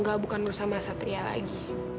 gak bukan urusan mas atria lagi